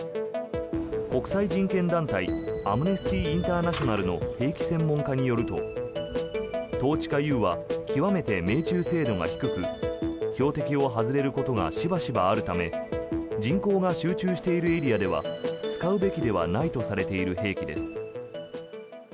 国際人権団体アムネスティ・インターナショナルの兵器専門家によるとトーチカＵは極めて命中精度が低く標的を外れることがしばしばあるため人口が集中しているエリアでは使うべきではないとされている兵器です。